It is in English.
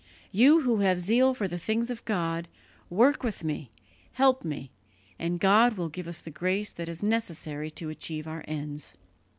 You who have zeal for the things of God, work with me, help me, and God will give us the grace that is necessary to achieve our ends."